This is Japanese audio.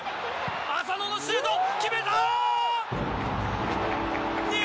浅野のシュート決めた。